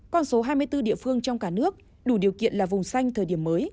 con số hai mươi bốn địa phương trong cả nước đủ điều kiện là vùng xanh thời điểm mới